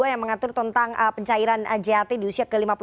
yang mengatur tentang pencairan jht di usia ke lima puluh